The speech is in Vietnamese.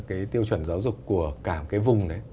cái tiêu chuẩn giáo dục của cả một cái vùng